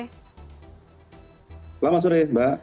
selamat sore mbak